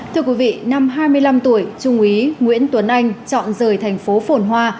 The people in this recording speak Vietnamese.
thưa quý vị năm hai mươi năm tuổi trung úy nguyễn tuấn anh chọn rời thành phố phổn hoa